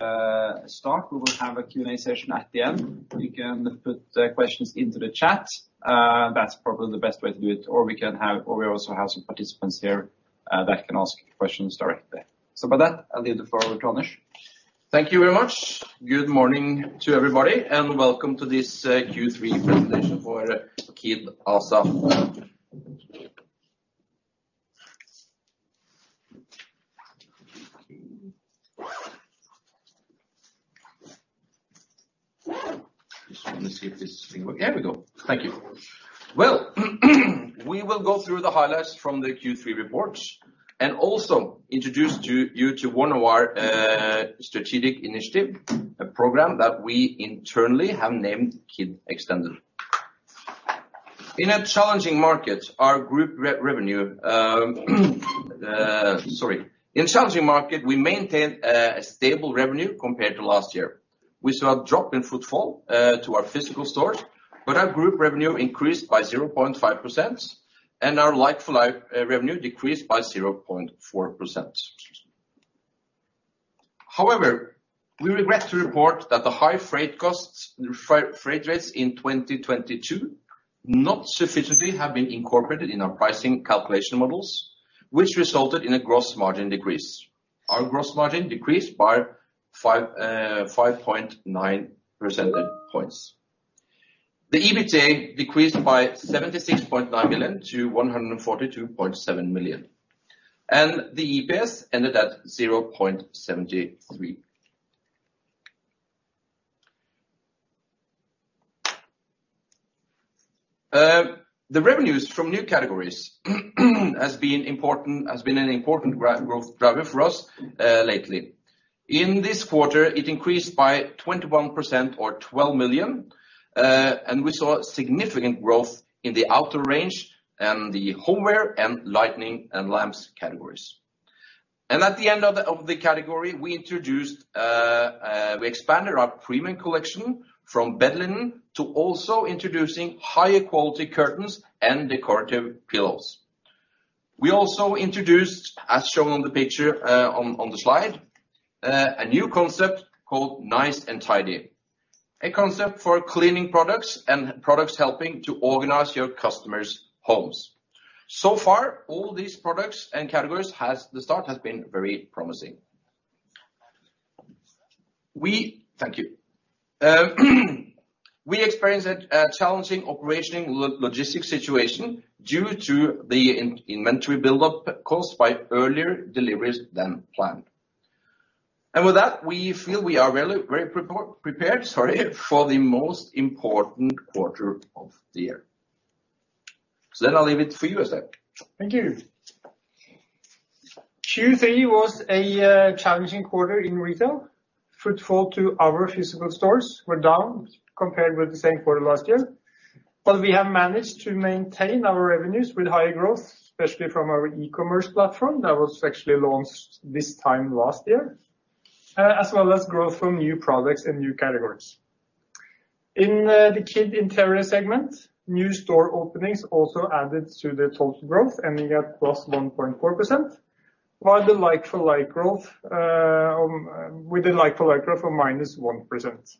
We will have a Q&A session at the end. You can put questions into the chat. That's probably the best way to do it, or we also have some participants here that can ask questions directly. With that, I'll leave the floor over to Anders. Thank you very much. Good morning to everybody, and welcome to this Q3 presentation for Kid ASA. Just want to see if this thing work. There we go. Thank you. Well, we will go through the highlights from the Q3 reports and also introduce you to one of our strategic initiative, a program that we internally have named Kid Extended. In a challenging market, we maintained a stable revenue compared to last year. We saw a drop in footfall to our physical stores, but our group revenue increased by 0.5%, and our like-for-like revenue decreased by 0.4%. However, we regret to report that the high freight rates in 2022 not sufficiently have been incorporated in our pricing calculation models, which resulted in a gross margin decrease. Our gross margin decreased by 5.9 percentage points. The EBITDA decreased by 76.9 million to 142.7 million, and the EPS ended at 0.73. The revenues from new categories has been an important growth driver for us lately. In this quarter, it increased by 21% or 12 million, and we saw significant growth in the outdoor range and the homeware and lighting and lamps categories. At the end of the category, we expanded our premium collection from bed linen to also introducing higher quality curtains and decorative pillows. We also introduced, as shown on the picture on the slide, a new concept called Nice & Tidy. A concept for cleaning products and products helping to organize your customers' homes. So far, all these products and categories, the start has been very promising. Thank you. We experienced a challenging operation logistics situation due to the inventory buildup caused by earlier deliveries than planned. With that, we feel we are very prepared, sorry, for the most important quarter of the year. I'll leave it for you, Eystein. Thank you. Q3 was a challenging quarter in retail. Footfall to our physical stores were down compared with the same quarter last year, but we have managed to maintain our revenues with high growth, especially from our e-commerce platform that was actually launched this time last year, as well as growth from new products and new categories. In the Kid Interior segment, new store openings also added to the total growth, ending at +1.4%, with the like-for-like growth of -1%.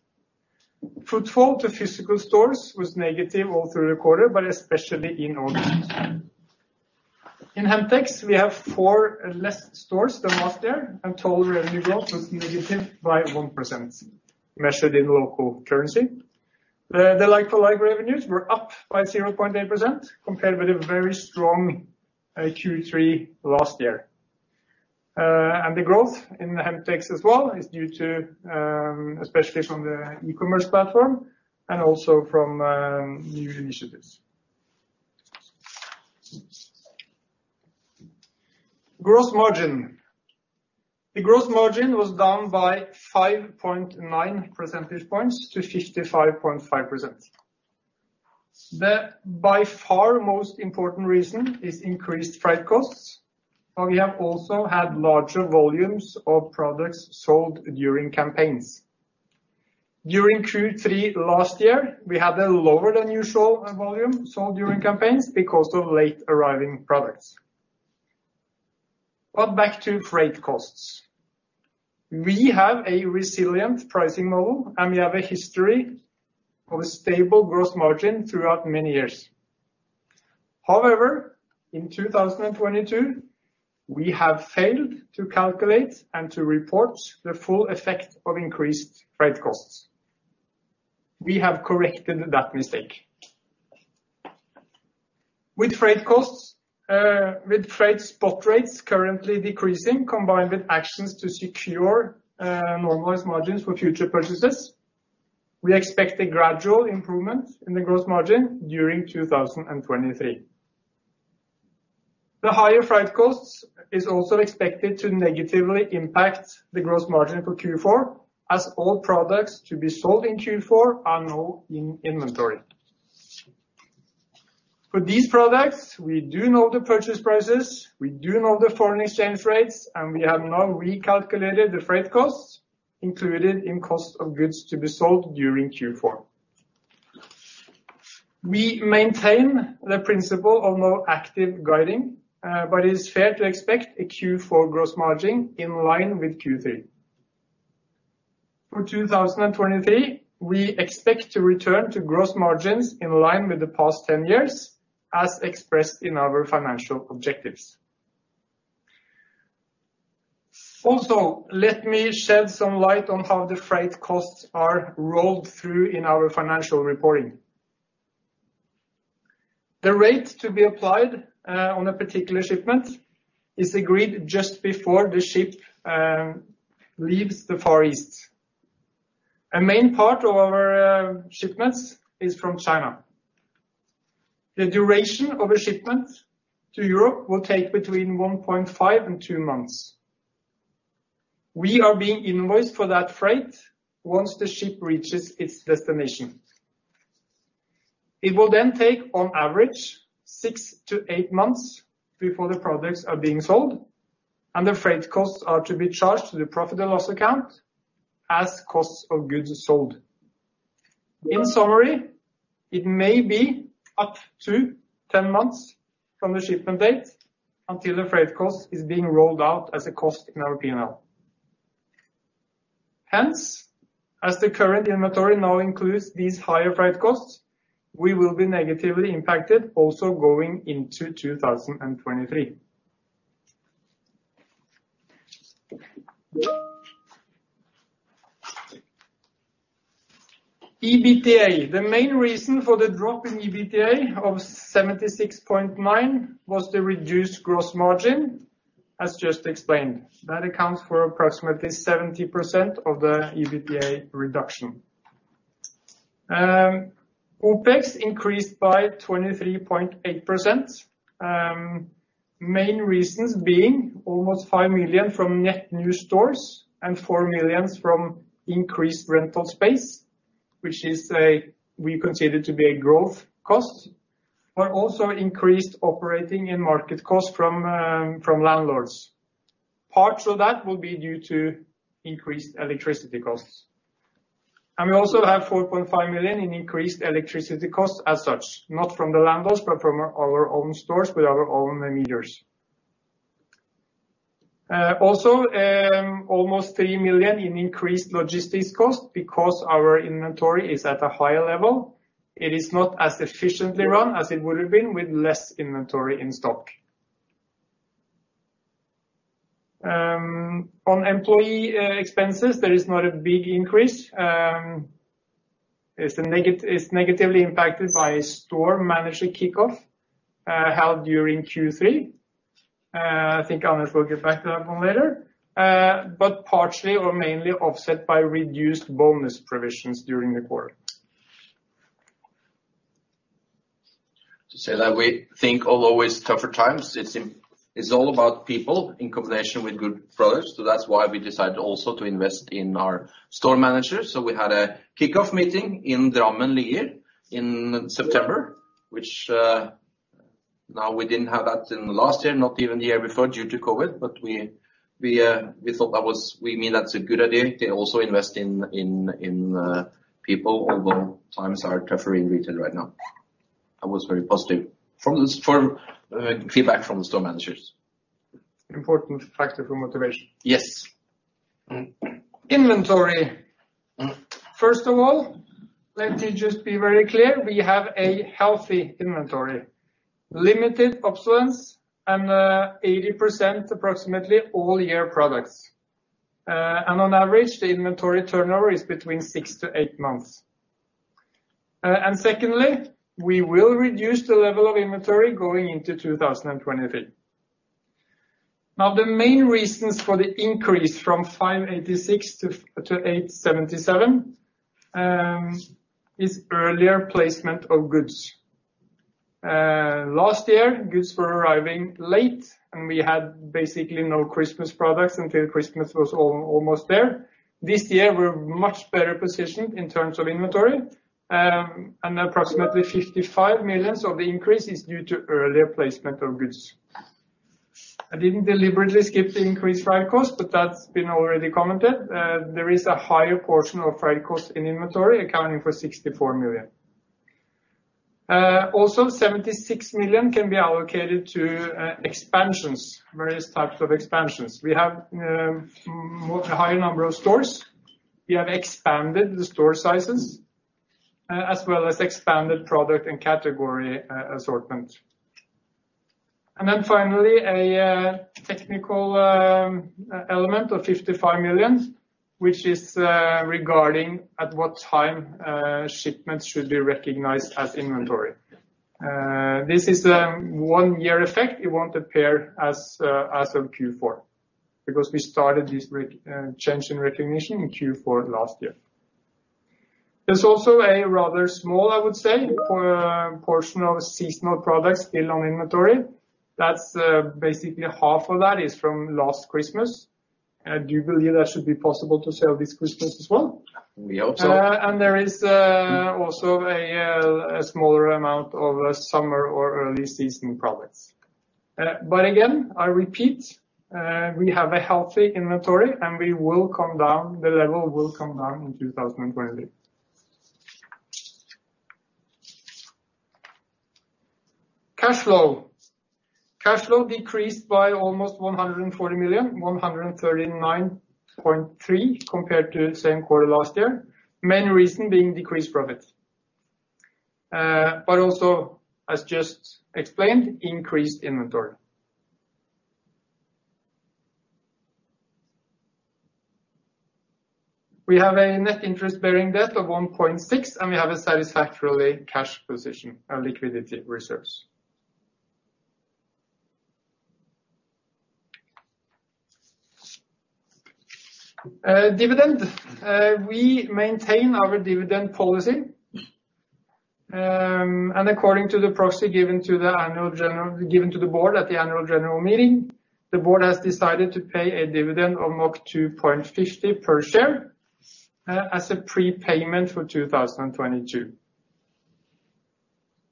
Footfall to physical stores was negative all through the quarter, but especially in August. In Hemtex, we have four less stores than last year, and total revenue growth was negative by 1%, measured in local currency. The like-for-like revenues were up by 0.8% compared with a very strong Q3 last year. The growth in Hemtex as well is due to, especially from the e-commerce platform and also from new initiatives. Gross margin. The gross margin was down by 5.9 percentage points to 55.5%. The by far most important reason is increased freight costs, but we have also had larger volumes of products sold during campaigns. During Q3 last year, we had a lower than usual volume sold during campaigns because of late arriving products. Back to freight costs. We have a resilient pricing model, and we have a history of a stable gross margin throughout many years. However, in 2022, we have failed to calculate and to report the full effect of increased freight costs. We have corrected that mistake. With freight spot rates currently decreasing, combined with actions to secure normalized margins for future purchases, we expect a gradual improvement in the gross margin during 2023. The higher freight costs is also expected to negatively impact the gross margin for Q4, as all products to be sold in Q4 are now in inventory. For these products, we do know the purchase prices, we do know the foreign exchange rates, and we have now recalculated the freight costs included in cost of goods to be sold during Q4. We maintain the principle of no active guiding, but it is fair to expect a Q4 gross margin in line with Q3. For 2023, we expect to return to gross margins in line with the past 10 years, as expressed in our financial objectives. Let me shed some light on how the freight costs are rolled through in our financial reporting. The rate to be applied on a particular shipment is agreed just before the ship leaves the Far East. A main part of our shipments is from China. The duration of a shipment to Europe will take between 1.5 and 2 months. We are being invoiced for that freight once the ship reaches its destination. It will then take, on average, 6 to 8 months before the products are being sold, and the freight costs are to be charged to the profit and loss account as costs of goods sold. In summary, it may be up to 10 months from the shipment date until the freight cost is being rolled out as a cost in our P&L. Hence, as the current inventory now includes these higher freight costs, we will be negatively impacted also going into 2023. EBITDA. The main reason for the drop in EBITDA of 76.9 was the reduced gross margin, as just explained. That accounts for approximately 70% of the EBITDA reduction. OPEX increased by 23.8%. Main reasons being almost 5 million from net new stores and 4 million from increased rental space, which we consider to be a growth cost, but also increased operating and market cost from landlords. Part of that will be due to increased electricity costs. We also have 4.5 million in increased electricity costs as such, not from the landlords, but from our own stores with our own meters. Almost 3 million in increased logistics cost because our inventory is at a higher level. It is not as efficiently run as it would've been with less inventory in stock. On employee expenses, there is not a big increase. It's negatively impacted by store manager kickoff, held during Q3. I think Anders will get back to that one later. Partially or mainly offset by reduced bonus provisions during the quarter. To say that we think although it's tougher times, it's all about people in combination with good products. That's why we decided also to invest in our store managers. We had a kickoff meeting in Drammen, Lier in September, which we didn't have that in the last year, not even the year before due to COVID, we thought that's a good idea to also invest in people, although times are tougher in retail right now. That was very positive feedback from the store managers. It was an important factor for motivation. Yes. Inventory. First of all, let me just be very clear. We have a healthy inventory, limited obsolescence, and 80%, approximately, all year products. On average, the inventory turnover is between six to eight months. Secondly, we will reduce the level of inventory going into 2023. The main reasons for the increase from 586 to 877, is earlier placement of goods. Last year, goods were arriving late, and we had basically no Christmas products until Christmas was almost there. This year, we're much better positioned in terms of inventory, and approximately 55 million of the increase is due to earlier placement of goods. I didn't deliberately skip the increased freight cost, but that's been already commented. There is a higher portion of freight cost in inventory accounting for 64 million. 76 million can be allocated to expansions, various types of expansions. We have a higher number of stores. We have expanded the store sizes, as well as expanded product and category assortment. Finally, a technical element of 55 million, which is regarding at what time shipments should be recognized as inventory. This is a one-year effect. It won't appear as of Q4 because we started this change in recognition in Q4 last year. There's also a rather small, I would say, portion of seasonal products still on inventory. That's basically half of that is from last Christmas. Do you believe that should be possible to sell this Christmas as well? We hope so. There is also a smaller amount of summer or early season products. Again, I repeat, we have a healthy inventory and the level will come down in 2023. Cash flow. Cash flow decreased by almost 140 million, 139.3, compared to the same quarter last year. Main reason being decreased profit. Also, as just explained, increased inventory. We have a net interest-bearing debt of 1.6 billion, and we have a satisfactory cash position and liquidity reserves. Dividend. We maintain our dividend policy, and according to the proxy given to the board at the annual general meeting, the board has decided to pay a dividend of 2.50 per share as a prepayment for 2022.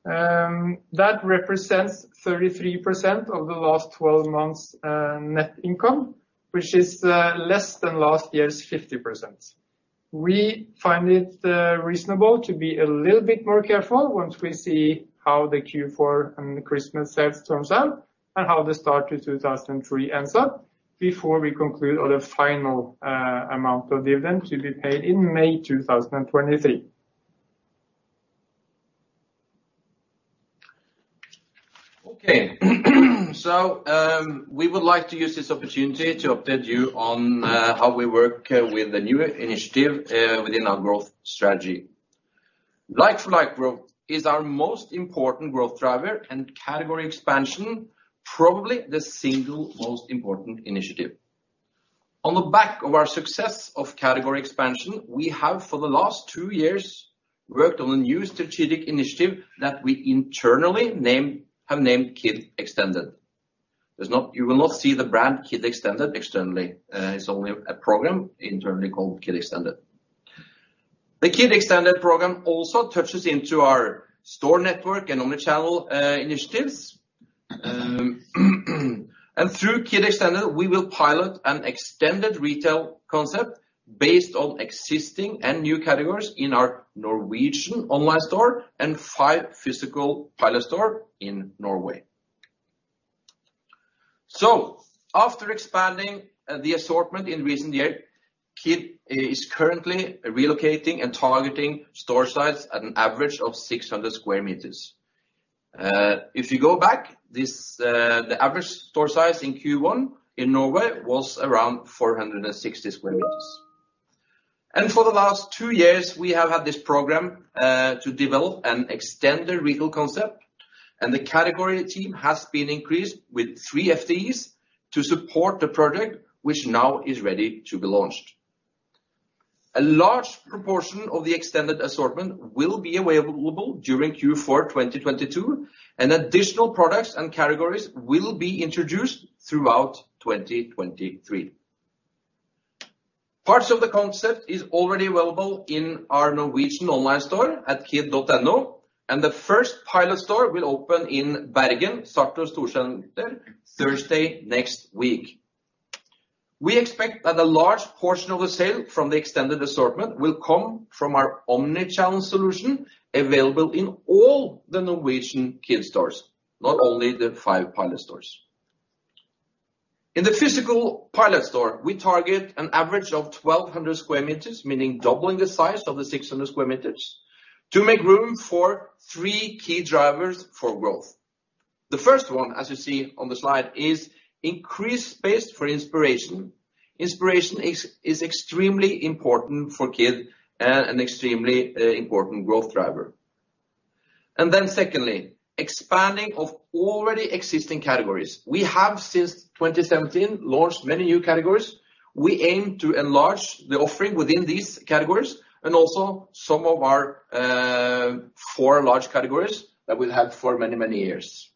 That represents 33% of the last 12 months net income, which is less than last year's 50%. We find it reasonable to be a little bit more careful once we see how the Q4 and Christmas sales turns out, and how the start to 2023 ends up before we conclude on a final amount of dividend to be paid in May 2023. Okay. We would like to use this opportunity to update you on how we work with the new initiative within our growth strategy. Like-for-like growth is our most important growth driver and category expansion, probably the single most important initiative. On the back of our success of category expansion, we have for the last two years worked on a new strategic initiative that we internally have named Kid Extended. You will not see the brand Kid Extended externally. It is only a program internally called Kid Extended. The Kid Extended program also touches into our store network and omnichannel initiatives. Through Kid Extended, we will pilot an extended retail concept based on existing and new categories in our Norwegian online store and five physical pilot store in Norway. After expanding the assortment in recent year, Kid is currently relocating and targeting store size at an average of 600 square meters. If you go back, the average store size in Q1 in Norway was around 460 square meters. For the last two years we have had this program, to develop an extended retail concept and the category team has been increased with three FTEs to support the project, which now is ready to be launched. A large proportion of the extended assortment will be available during Q4 2022, and additional products and categories will be introduced throughout 2023. Parts of the concept is already available in our Norwegian online store at kid.no, and the first pilot store will open in Bergen, Sartor Storsenter, Thursday next week. We expect that a large portion of the sale from the extended assortment will come from our omnichannel solution available in all the Norwegian Kid stores, not only the five pilot stores. In the physical pilot store, we target an average of 1,200 square meters, meaning doubling the size of the 600 square meters to make room for three key drivers for growth. The first one, as you see on the slide, is increased space for inspiration. Inspiration is extremely important for Kid and an extremely important growth driver. Secondly, expanding of already existing categories. We have since 2017 launched many new categories. We aim to enlarge the offering within these categories and also some of our four large categories that we've had for many years.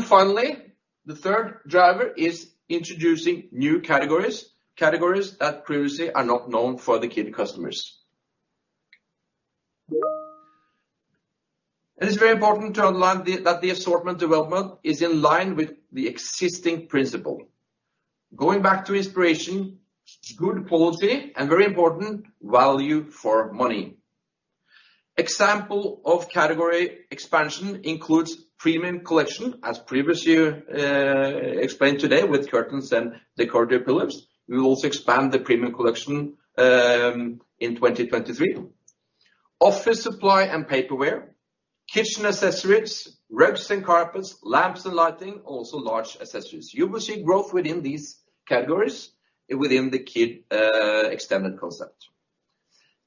Finally, the third driver is introducing new categories that previously are not known for the Kid customers. It is very important to underline that the assortment development is in line with the existing principle. Going back to inspiration, good quality, and very important, value for money. Example of category expansion includes premium collection, as previously explained today with curtains and decorative pillows. We will also expand the premium collection in 2023. Office supply and paperware, kitchen accessories, rugs and carpets, lamps and lighting, also large accessories. You will see growth within these categories within the Kid Extended concept.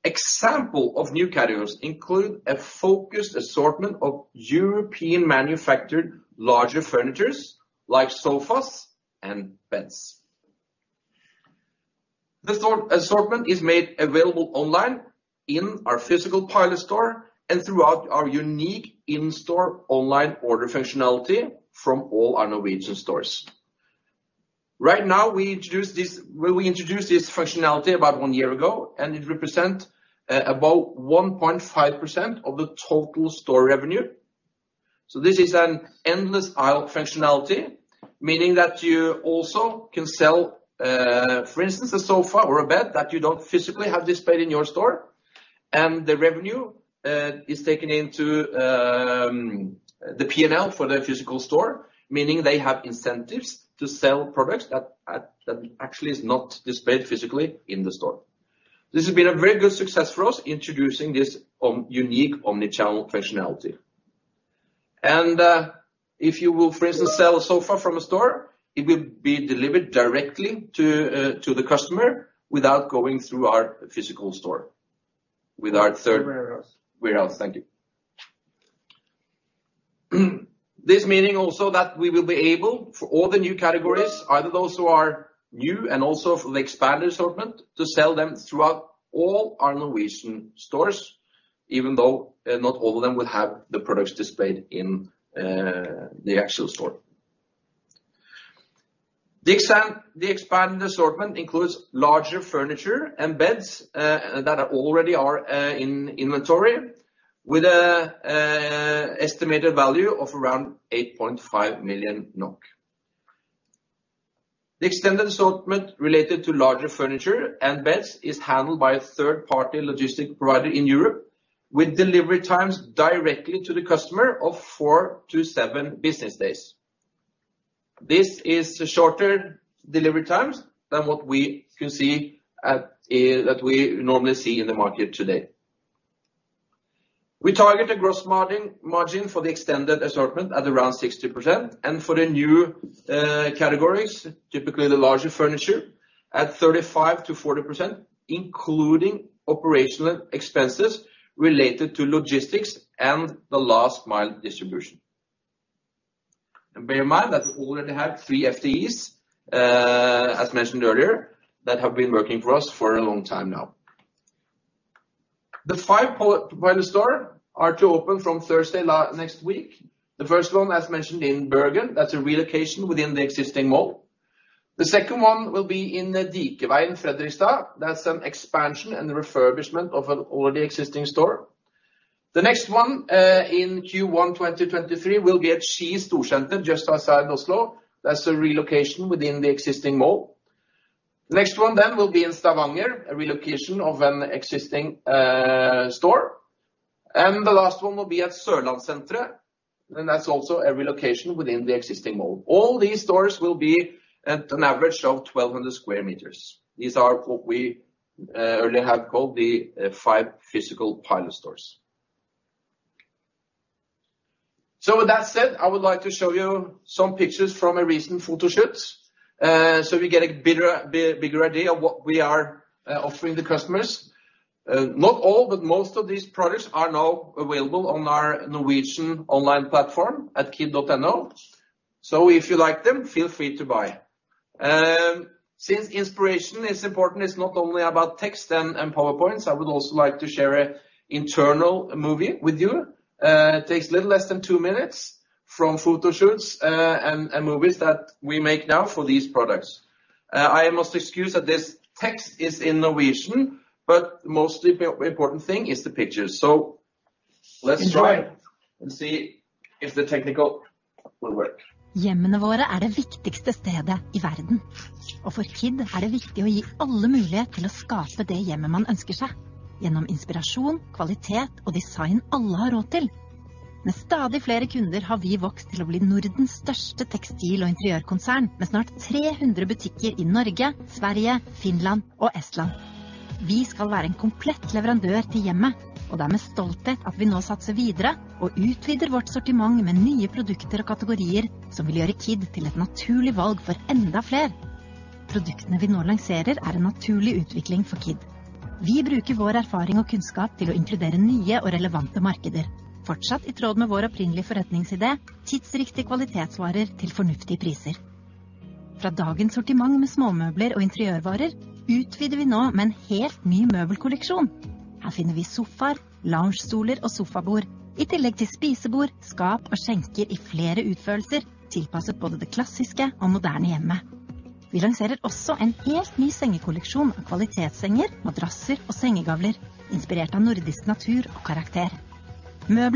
Example of new categories include a focused assortment of European manufactured larger furnitures like sofas and beds. The store assortment is made available online in our physical pilot store and throughout our unique in-store online order functionality from all our Norwegian stores. Right now, We introduced this functionality about one year ago, and it represents about 1.5% of the total store revenue. This is an endless aisle functionality, meaning that you also can sell, for instance, a sofa or a bed that you don't physically have displayed in your store, and the revenue is taken into the P&L for the physical store, meaning they have incentives to sell products that actually are not displayed physically in the store. This has been a very good success for us, introducing this unique omnichannel functionality. If you will, for instance, sell a sofa from a store, it will be delivered directly to the customer without going through our physical store with our third- Warehouse. Warehouse. Thank you. This meaning also that we will be able for all the new categories, either those who are new and also for the expanded assortment, to sell them throughout all our Norwegian stores, even though not all of them will have the products displayed in the actual store. The expanded assortment includes larger furniture and beds that already are in inventory, with an estimated value of around 8.5 million NOK. The extended assortment related to larger furniture and beds is handled by a third-party logistics provider in Europe, with delivery times directly to the customer of four to seven business days. This is shorter delivery times than what we normally see in the market today. We target a gross margin for the extended assortment at around 60% and for the new categories, typically the larger furniture, at 35%-40%, including operational expenses related to logistics and the last mile distribution. Bear in mind that we already have 3 FTEs, as mentioned earlier, that have been working for us for a long time now. The five pilot store are to open from Thursday next week. The first one, as mentioned in Bergen, that's a relocation within the existing mall. The second one will be in the Dikeveien, Fredrikstad. That's an expansion and refurbishment of an already existing store. The next one, in Q1 2023, will be at Ski Storsenter, just outside Oslo. That's a relocation within the existing mall. The next one will be in Stavanger, a relocation of an existing store. The last one will be at Sørlandssenteret, and that's also a relocation within the existing mall. All these stores will be at an average of 1,200 sq m. These are what we already have called the five physical pilot stores. With that said, I would like to show you some pictures from a recent photoshoot, so we get a bigger idea of what we are offering the customers. Not all, but most of these products are now available on our Norwegian online platform at kid.no. If you like them, feel free to buy. Since inspiration is important, it's not only about text and PowerPoints, I would also like to share an internal movie with you. It takes a little less than two minutes from photoshoots and movies that we make now for these products. I must excuse that this text is in Norwegian, but mostly important thing is the pictures. Let's try and see if the technical will work. Our homes are the most important place in the world. For Kid, it is important to give everyone the opportunity to create the home they want. Through inspiration, quality and design that everyone can afford. With more and more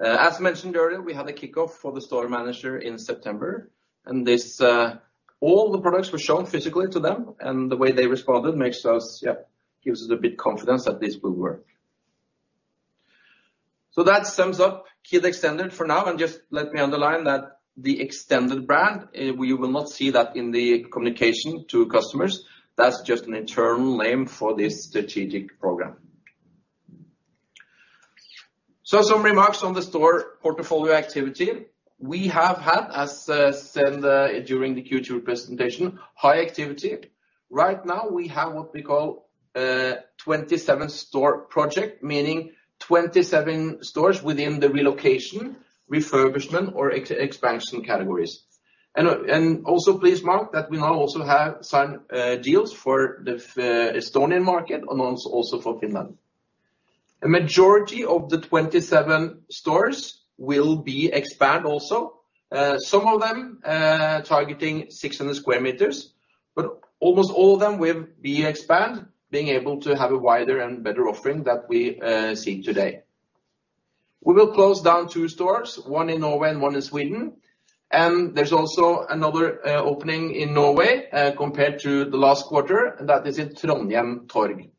As mentioned earlier, we had a kickoff for the store manager in September, and all the products were shown physically to them, and the way they responded gives us a bit confidence that this will work. That sums up Kid Extended for now, and just let me underline that the Extended brand, we will not see that in the communication to customers. That's just an internal name for this strategic program. Some remarks on the store portfolio activity. We have had, as said during the Q2 presentation, high activity. Right now, we have what we call 27 store project, meaning 27 stores within the relocation, refurbishment or expansion categories. Please mark that we now also have signed deals for the Estonian market, and also for Finland. A majority of the 27 stores will be expand also. Some of them targeting 600 square meters, but almost all of them will be expand, being able to have a wider and better offering that we see today. We will close down 2 stores, one in Norway and one in Sweden, and there's also another opening in Norway compared to the last quarter, and that is in Trondheim Torg.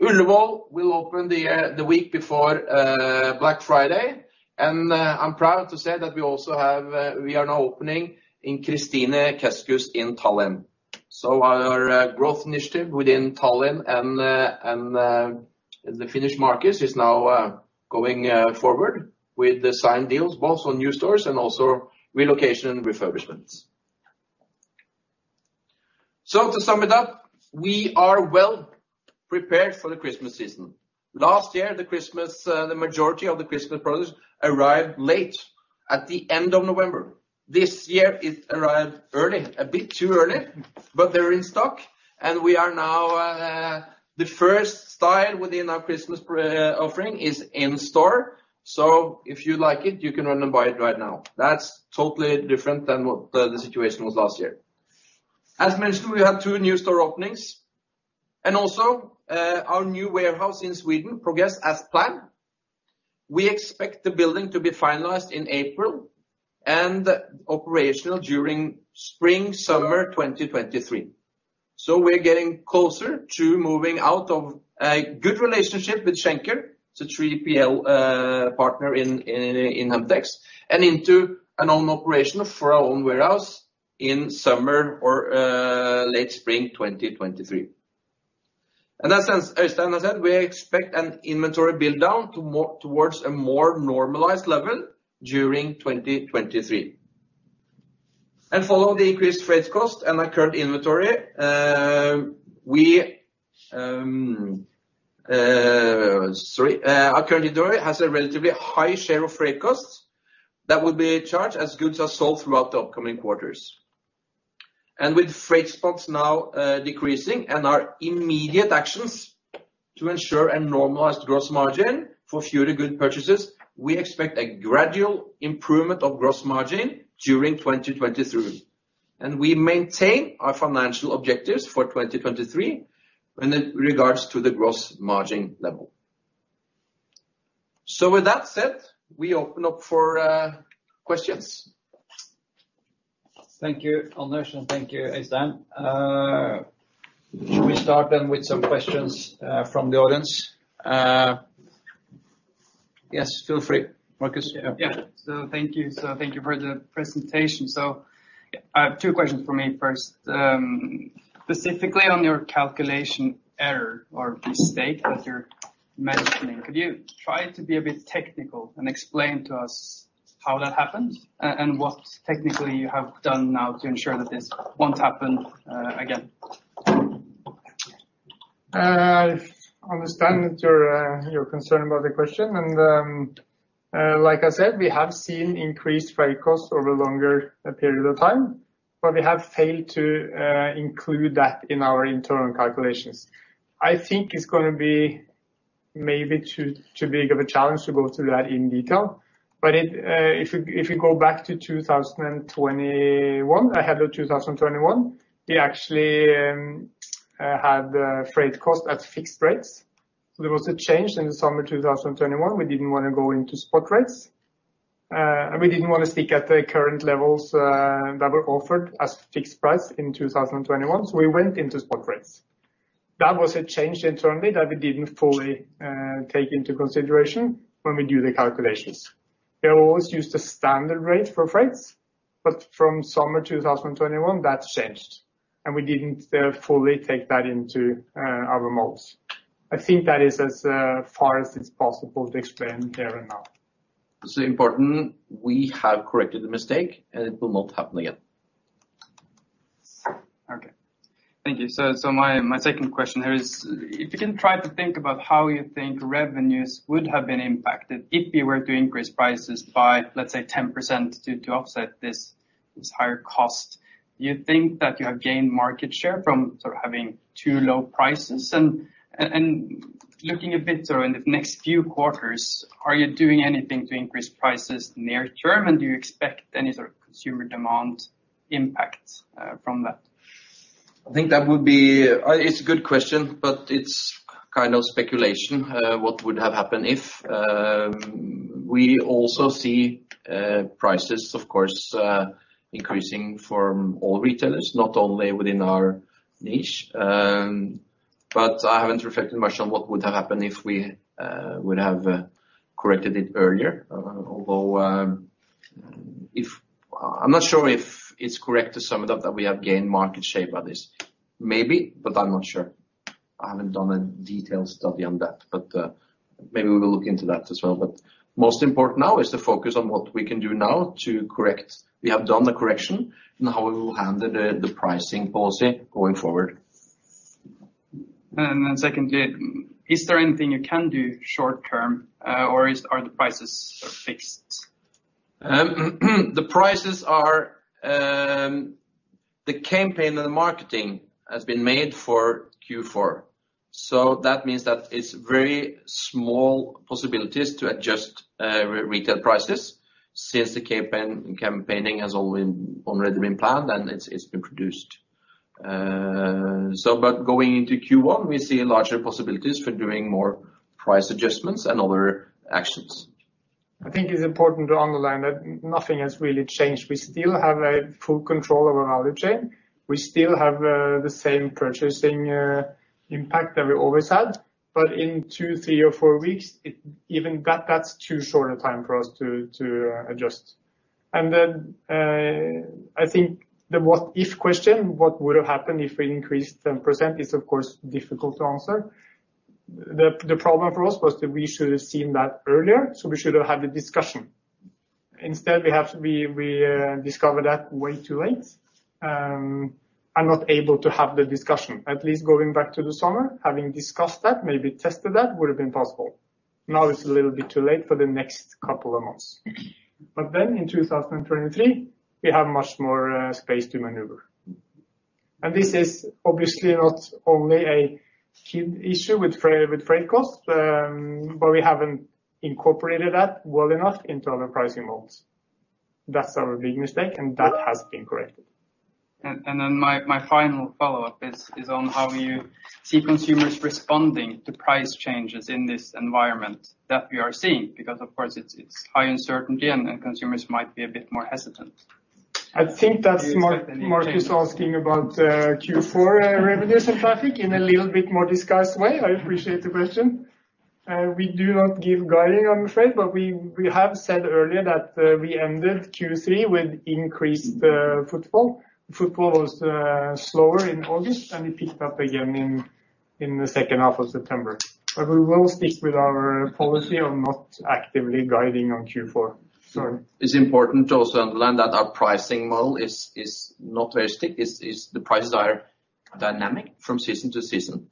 Ullevål will open the week before Black Friday, and I'm proud to say that we are now opening in Kristiine Keskus in Tallinn. Our growth initiative within Tallinn and the Finnish markets is now going forward with the signed deals, both on new stores and also relocation and refurbishments. To sum it up, we are well prepared for the Christmas season. Last year, the majority of the Christmas products arrived late at the end of November. This year, it arrived early, a bit too early, but they're in stock and the first style within our Christmas offering is in store. If you like it, you can run and buy it right now. That's totally different than what the situation was last year. As mentioned, we have 2 new store openings and also our new warehouse in Sweden progressed as planned. We expect the building to be finalized in April and operational during spring, summer 2023. We're getting closer to moving out of a good relationship with Schenker, it's a 3PL partner in Hemtex, and into an own operation for our own warehouse in summer or late spring 2023. As Eystein said, we expect an inventory build down towards a more normalized level during 2023. Following the increased freight cost and our current inventory, our current inventory has a relatively high share of freight costs that will be charged as goods are sold throughout the upcoming quarters. With freight spots now decreasing and our immediate actions to ensure a normalized gross margin for future good purchases, we expect a gradual improvement of gross margin during 2023. We maintain our financial objectives for 2023 in regards to the gross margin level. With that said, we open up for questions. Thank you, Anders, and thank you, Eystein. Should we start with some questions from the audience? Yes, feel free. Marcus, yeah. Yeah. Thank you for the presentation. Two questions from me. First, specifically on your calculation error or mistake that you're mentioning, could you try to be a bit technical and explain to us how that happened and what technically you have done now to ensure that this won't happen again? I understand that you're concerned about the question, like I said, we have seen increased freight costs over a longer period of time, we have failed to include that in our internal calculations. I think it's going to be maybe too big of a challenge to go through that in detail. If you go back to ahead of 2021, we actually had freight cost at fixed rates. There was a change in the summer 2021. We didn't want to go into spot rates, we didn't want to stick at the current levels that were offered as fixed price in 2021. We went into spot rates. That was a change internally that we didn't fully take into consideration when we do the calculations. We always used a standard rate for freights, from summer 2021, that's changed, we didn't fully take that into our models. I think that is as far as it's possible to explain there and now. It's important we have corrected the mistake, and it will not happen again. Okay. Thank you. My second question here is, if you can try to think about how you think revenues would have been impacted if you were to increase prices by, let's say, 10% to offset this higher cost. You think that you have gained market share from sort of having too low prices? Looking a bit in the next few quarters, are you doing anything to increase prices near term? Do you expect any sort of consumer demand impact from that? I think it's a good question, but it's speculation what would have happened if. We also see prices, of course, increasing for all retailers, not only within our niche. I haven't reflected much on what would have happened if we would have corrected it earlier. I'm not sure if it's correct to sum it up that we have gained market share by this. Maybe, but I'm not sure. I haven't done a detailed study on that, but maybe we will look into that as well. Most important now is to focus on what we can do now to correct. We have done the correction and how we will handle the pricing policy going forward. Secondly, is there anything you can do short term or are the prices fixed? The campaign and the marketing has been made for Q4. That means that it's very small possibilities to adjust retail prices since the campaigning has already been planned, and it's been produced. Going into Q1, we see larger possibilities for doing more price adjustments and other actions. I think it's important to underline that nothing has really changed. We still have a full control over our value chain. We still have the same purchasing impact that we always had, but in two, three, or four weeks, even that's too short a time for us to adjust. I think the what if question, what would have happened if we increased 10%, is of course difficult to answer. The problem for us was that we should have seen that earlier. We should have had the discussion. Instead, we discovered that way too late and not able to have the discussion. At least going back to the summer, having discussed that, maybe tested that, would've been possible. Now it's a little bit too late for the next couple of months. In 2023, we have much more space to maneuver. This is obviously not only a Kid issue with freight cost. We haven't incorporated that well enough into our pricing models. That's our big mistake. That has been corrected. My final follow-up is on how you see consumers responding to price changes in this environment that we are seeing because, of course, it's high uncertainty and then consumers might be a bit more hesitant. I think that's. Do you expect any changes? Marcus asking about Q4 revenues and traffic in a little bit more disguised way. I appreciate the question. We do not give guiding, I'm afraid, but we have said earlier that we ended Q3 with increased footfall. Footfall was slower in August, and it picked up again in the second half of September. We will stick with our policy of not actively guiding on Q4. Sorry. It's important to also underline that our pricing model is not very strict. The prices are dynamic from season to season.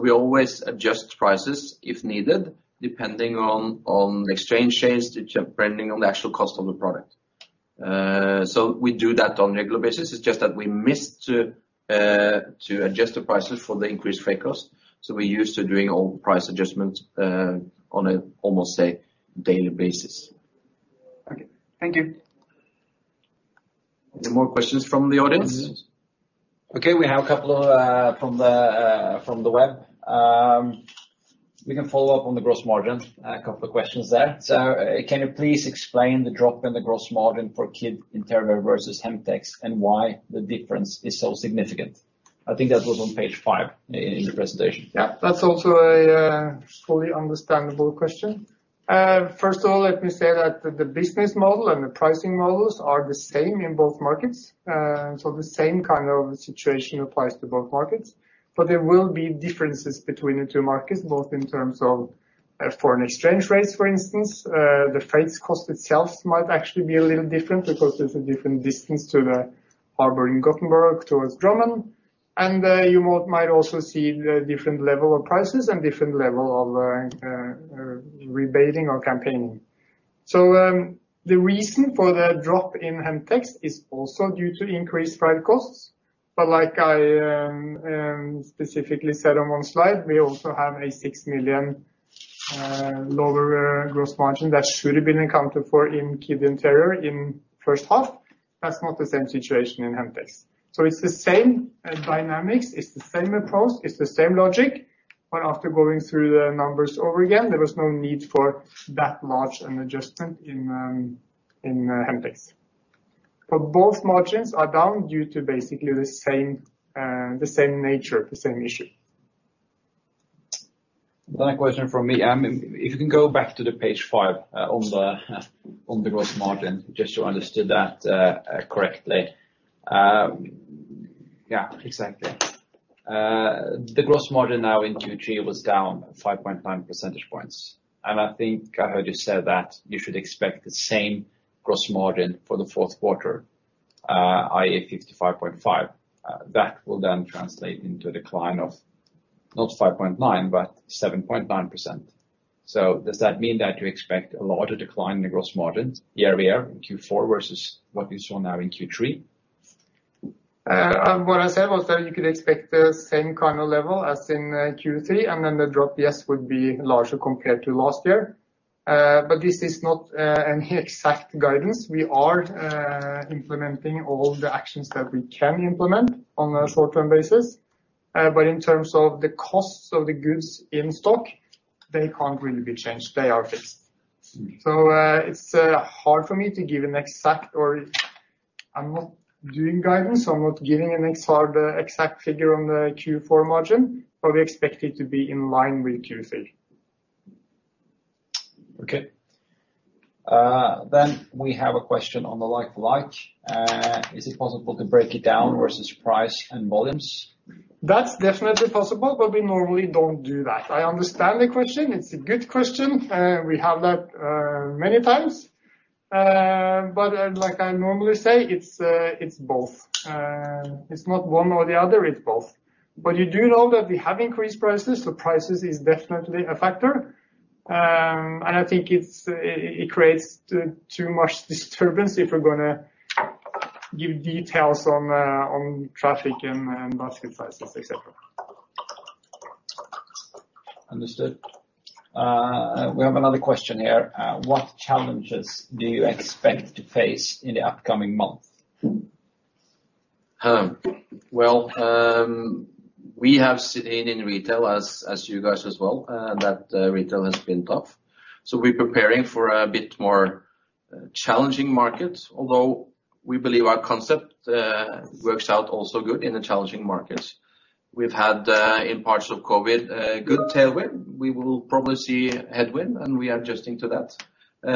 We always adjust prices if needed, depending on exchange rates, depending on the actual cost of the product. We do that on a regular basis. It's just that we missed to adjust the prices for the increased freight cost. We're used to doing all price adjustments on a almost, say, daily basis. Okay. Thank you. Any more questions from the audience? We have a couple from the web. We can follow up on the gross margin. A couple of questions there. Can you please explain the drop in the gross margin for Kid Interior versus Hemtex and why the difference is so significant? I think that was on page five in the presentation. Yeah. That's also a fully understandable question. First of all, let me say that the business model and the pricing models are the same in both markets. The same kind of situation applies to both markets, but there will be differences between the two markets, both in terms of foreign exchange rates, for instance. The freight cost itself might actually be a little different because there's a different distance to the harbor in Gothenburg towards Drammen, you might also see different level of prices and different level of rebating or campaigning. The reason for the drop in Hemtex is also due to increased freight costs, but like I specifically said on one slide, we also have a 6 million lower gross margin that should have been accounted for in Kid Interior in first half. That's not the same situation in Hemtex. It's the same dynamics, it's the same approach, it's the same logic, after going through the numbers over again, there was no need for that large an adjustment in Hemtex. Both margins are down due to basically the same nature, the same issue. A question from me. If you can go back to the page five on the gross margin, just to understand that correctly. Yeah, exactly. The gross margin now in Q3 was down 5.9 percentage points. I think I heard you say that you should expect the same gross margin for the fourth quarter, i.e., 55.5. That will then translate into a decline of not 5.9 but 7.9%. Does that mean that you expect a lot of decline in the gross margins year-over-year in Q4 versus what you saw now in Q3? What I said was that you could expect the same kind of level as in Q3, and then the drop, yes, would be larger compared to last year. This is not any exact guidance. We are implementing all the actions that we can implement on a short-term basis. In terms of the costs of the goods in stock, they can't really be changed. They are fixed. It's hard for me to give an exact, or I'm not doing guidance. I'm not giving an exact figure on the Q4 margin, but we expect it to be in line with Q3. Okay. We have a question on the like-for-like. Is it possible to break it down versus price and volumes? That's definitely possible, we normally don't do that. I understand the question. It's a good question. We have that many times. Like I normally say, it's both. It's not one or the other, it's both. You do know that we have increased prices, so prices is definitely a factor. I think it creates too much disturbance if we're going to give details on traffic and basket sizes, et cetera. Understood. We have another question here. What challenges do you expect to face in the upcoming month? Well, we have seen in retail as you guys as well, that retail has been tough. We're preparing for a bit more challenging market, although we believe our concept works out also good in a challenging market. We've had, in parts of COVID, a good tailwind. We will probably see headwind, we are adjusting to that. We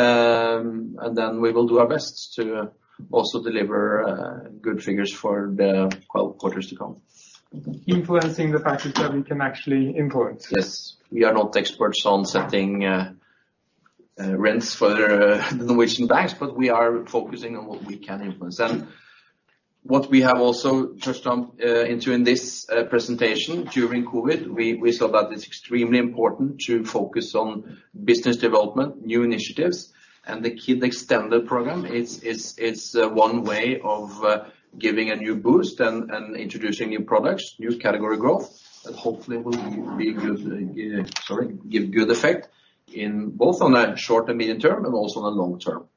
will do our best to also deliver good figures for the quarters to come. Influencing the factors that we can actually influence. Yes. We are not experts on setting rents for the Norwegian banks, we are focusing on what we can influence. What we have also touched on into in this presentation, during COVID, we saw that it is extremely important to focus on business development, new initiatives, and the Kid Extended program is one way of giving a new boost and introducing new products, new category growth, that hopefully will give good effect both on the short and medium term and also on the long term.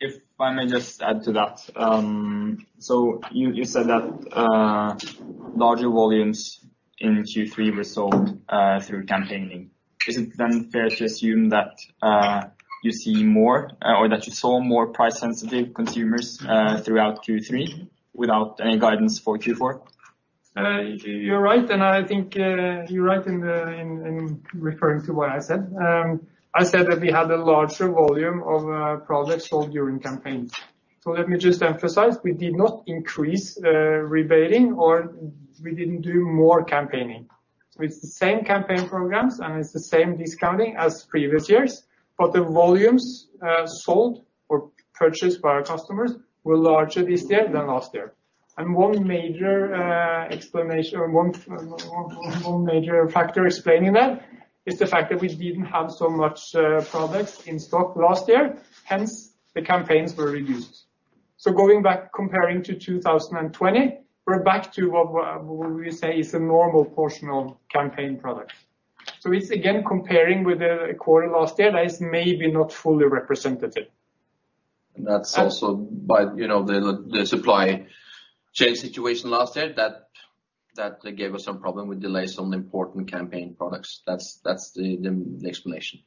If I may just add to that. You said that larger volumes in Q3 were sold through campaigning. Is it then fair to assume that you see more or that you saw more price-sensitive consumers throughout Q3 without any guidance for Q4? You are right, I think you are right in referring to what I said. I said that we had a larger volume of products sold during campaigns. Let me just emphasize, we did not increase rebating, or we didn't do more campaigning. It is the same campaign programs, it is the same discounting as previous years, the volumes sold or purchased by our customers were larger this year than last year. One major factor explaining that is the fact that we didn't have so much products in stock last year, hence the campaigns were reduced. Going back, comparing to 2020, we are back to what we say is a normal portion of campaign products. It is again, comparing with the quarter last year, that is maybe not fully representative. That's also by the supply chain situation last year, that gave us some problem with delays on important campaign products. That's the explanation.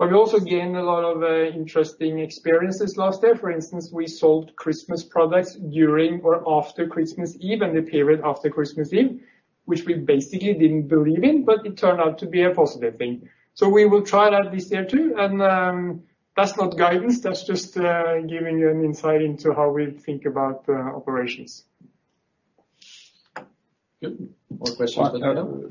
We also gained a lot of interesting experiences last year. For instance, we sold Christmas products during or after Christmas Eve and the period after Christmas Eve, which we basically didn't believe in, but it turned out to be a positive thing. We will try that this year, too. That's not guidance, that's just giving you an insight into how we think about operations. Good. More questions?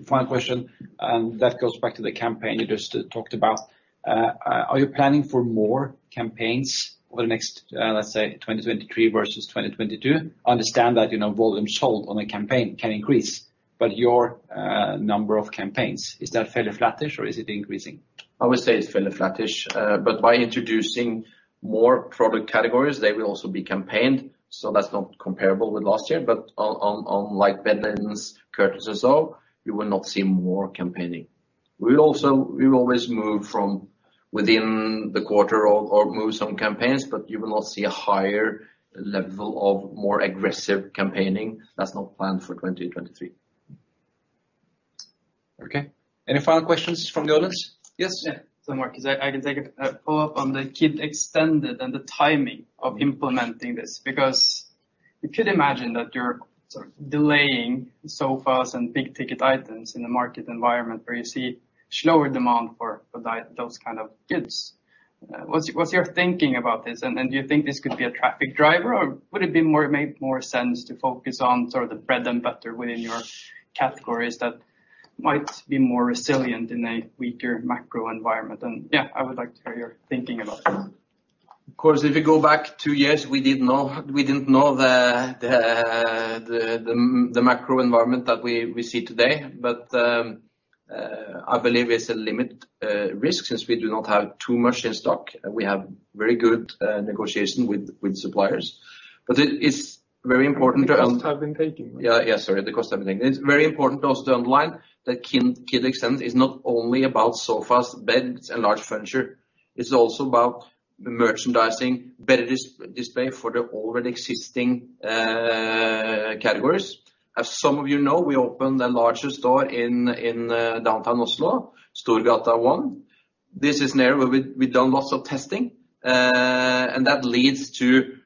Final question, that goes back to the campaign you just talked about. Are you planning for more campaigns over the next, let's say 2023 versus 2022? I understand that volume sold on a campaign can increase, but your number of campaigns, is that fairly flattish or is it increasing? I would say it's fairly flattish. By introducing more product categories, they will also be campaigned, so that's not comparable with last year. On like beddings, curtains and so, you will not see more campaigning. We will always move from within the quarter or move some campaigns, but you will not see a higher level of more aggressive campaigning. That's not planned for 2023. Okay. Any final questions from the audience? Yes. Markus, I can take it. A follow-up on the Kid Extended and the timing of implementing this, because you could imagine that you're sort of delaying sofas and big-ticket items in a market environment where you see slower demand for those kind of goods. What's your thinking about this? Do you think this could be a traffic driver, or would it make more sense to focus on sort of the bread and butter within your categories that might be more resilient in a weaker macro environment? I would like to hear your thinking about that. Of course, if you go back two years, we didn't know the macro environment that we see today. I believe it's a limited risk since we do not have too much in stock. We have very good negotiation with suppliers. The costs have been taken. Yeah, sorry, the costs have been taken. It's very important also to underline that Kid Extended is not only about sofas, beds, and large furniture. It's also about merchandising, better display for the already existing categories. As some of you know, we opened the largest store in downtown Oslo, Storgata 1. This is an area where we've done lots of testing, and that leads to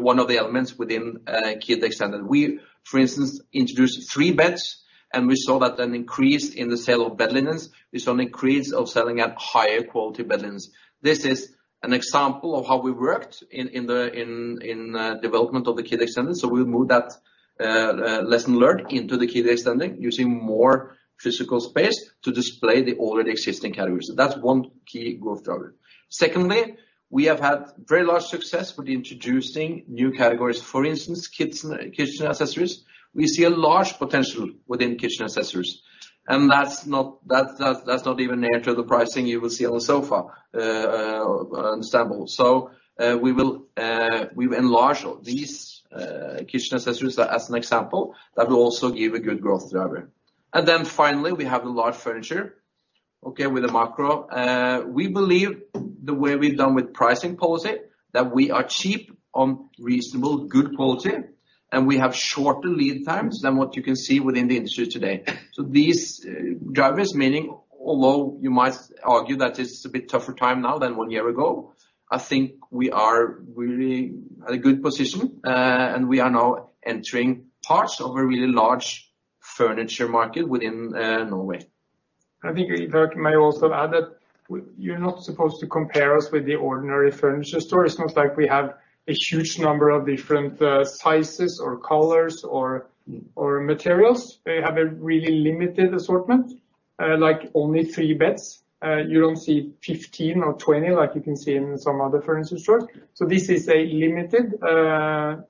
one of the elements within Kid Extended. We, for instance, introduced three beds, and we saw that an increase in the sale of bed linens. We saw an increase of selling at higher quality bed linens. This is an example of how we worked in the development of the Kid Extended. We'll move that lesson learned into the Kid Extended, using more physical space to display the already existing categories. That's one key growth driver. Secondly, we have had very large success with introducing new categories. For instance, kitchen accessories. We see a large potential within kitchen accessories, and that's not even near to the pricing you will see on a sofa, on sample. We will enlarge these kitchen accessories as an example. That will also give a good growth driver. Finally, we have the large furniture, okay, with the macro. We believe the way we've done with pricing policy, that we are cheap on reasonable, good quality, and we have shorter lead times than what you can see within the industry today. These drivers meaning, although you might argue that it's a bit tougher time now than one year ago, I think we are really at a good position. We are now entering parts of a really large furniture market within Norway. I think I may also add that you're not supposed to compare us with the ordinary furniture store. It's not like we have a huge number of different sizes or colors or materials. We have a really limited assortment, like only three beds. You don't see 15 or 20 like you can see in some other furniture stores. This is a limited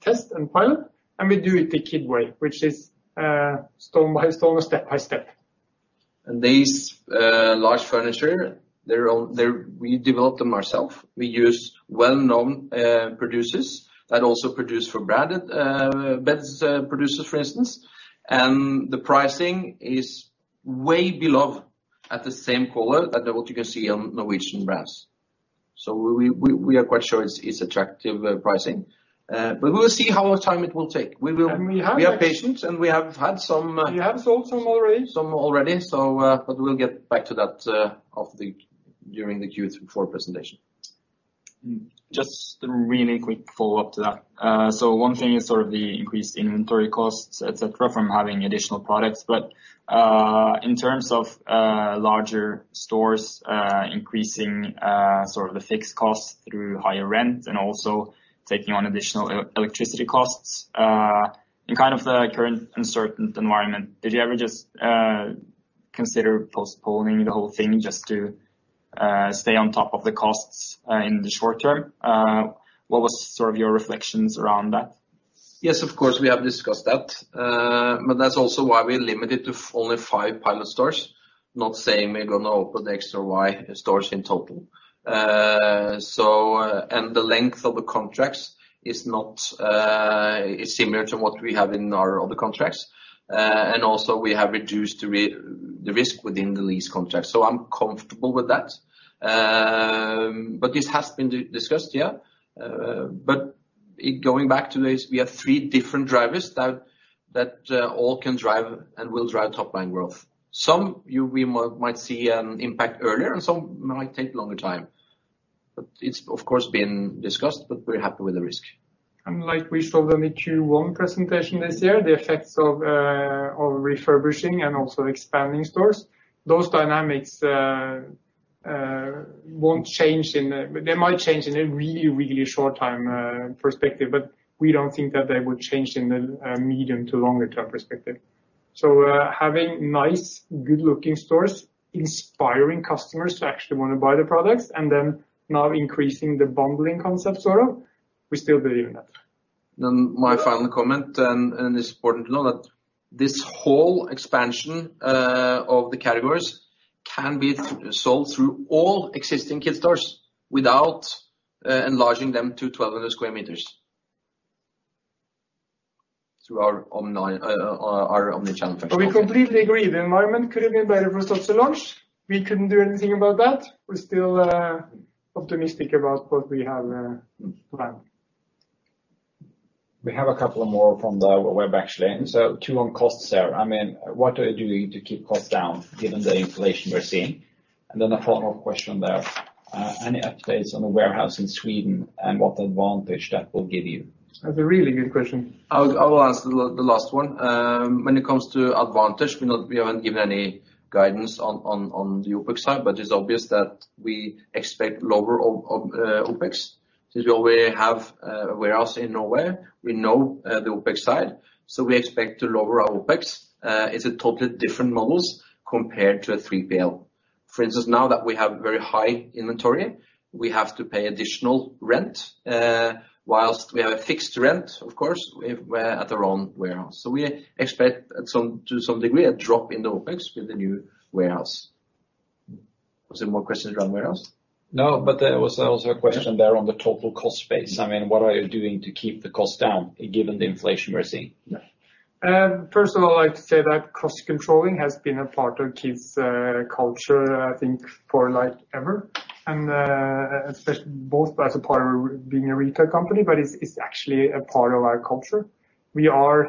test and pilot, and we do it the Kid way, which is stone by stone or step by step. These large furniture, we developed them ourself. We use well-known producers that also produce for branded beds producers, for instance. The pricing is way below at the same color than what you can see on Norwegian brands. We are quite sure it's attractive pricing. We will see how much time it will take. We are patient. We have sold some already. some already. We'll get back to that during the Q3, Q4 presentation. Just a really quick follow-up to that. One thing is sort of the increased inventory costs, et cetera, from having additional products, but, in terms of larger stores, increasing sort of the fixed costs through higher rent and also taking on additional electricity costs, in kind of the current uncertain environment, did you ever just consider postponing the whole thing just to stay on top of the costs, in the short term? What was sort of your reflections around that? Yes, of course, we have discussed that. That's also why we limit it to only five pilot stores, not saying we're going to open X or Y stores in total. The length of the contracts is similar to what we have in our other contracts. Also we have reduced the risk within the lease contract, so I'm comfortable with that. This has been discussed, yeah. Going back to this, we have three different drivers that all can drive and will drive top-line growth. Some we might see an impact earlier, and some might take longer time. It's, of course, been discussed, but we're happy with the risk. Like we showed in the Q1 presentation this year, the effects of refurbishing and also expanding stores, those dynamics won't change in They might change in a really, really short time perspective, but we don't think that they would change in the medium to longer term perspective. Having nice, good-looking stores, inspiring customers to actually want to buy the products and then now increasing the bundling concept, sort of, we still believe in that. My final comment, and it's important to know that this whole expansion of the categories can be sold through all existing Kid stores without enlarging them to 1,200 sq m through our omnichannel function. We completely agree. The environment could have been better for us not to launch. We couldn't do anything about that. We're still optimistic about what we have planned. We have a couple of more from the web actually. So two on costs there. What are you doing to keep costs down given the inflation we're seeing? A follow-up question there. Any updates on the warehouse in Sweden and what advantage that will give you? That's a really good question. I will answer the last one. When it comes to advantage, we haven't given any guidance on the OpEx side, but it's obvious that we expect lower OpEx since we already have a warehouse in Norway. We know the OpEx side, so we expect to lower our OpEx. It's a totally different models compared to a 3PL. For instance, now that we have very high inventory, we have to pay additional rent, whilst we have a fixed rent, of course, at our own warehouse. So we expect to some degree, a drop in the OpEx with the new warehouse. Was there more questions around warehouse? No, but there was also a question there on the total cost space. What are you doing to keep the cost down given the inflation we're seeing? First of all, I'd say that cost controlling has been a part of Kid's culture, I think, forever, especially both as a part of being a retail company, but it's actually a part of our culture. We are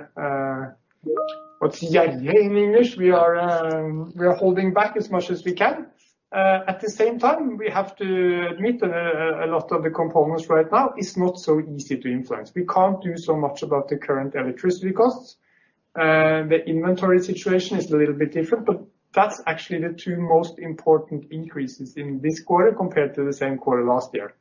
what's "gjerrig" in English? We are holding back as much as we can. At the same time, we have to admit a lot of the components right now is not so easy to influence. We can't do so much about the current electricity costs. The inventory situation is a little bit different, but that's actually the two most important increases in this quarter compared to the same quarter last year.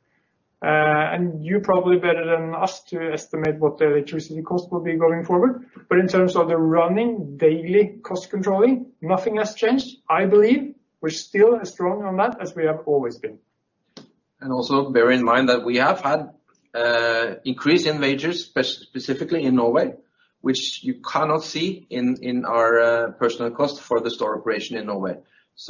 You probably better than us to estimate what the electricity cost will be going forward. In terms of the running daily cost controlling, nothing has changed. I believe we're still as strong on that as we have always been. Also bear in mind that we have had increase in wages, specifically in Norway, which you cannot see in our personnel cost for the store operation in Norway.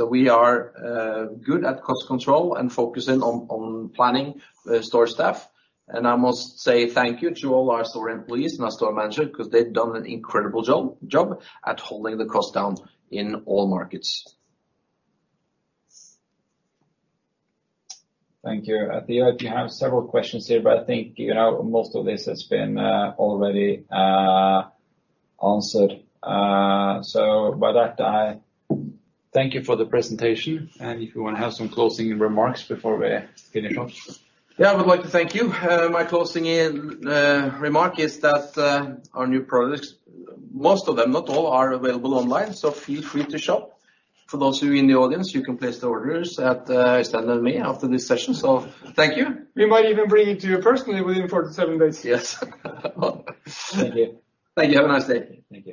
We are good at cost control and focusing on planning store staff. I must say thank you to all our store employees and our store managers because they've done an incredible job at holding the cost down in all markets. Thank you. I see that you have several questions here. I think most of this has been already answered. With that, I thank you for the presentation and if you want to have some closing remarks before we finish up. I would like to thank you. My closing remark is that our new products, most of them, not all, are available online. Feel free to shop. For those of you in the audience, you can place the orders at the stand with me after this session. Thank you. We might even bring it to you personally within four to seven days. Yes. Thank you. Thank you. Have a nice day. Thank you.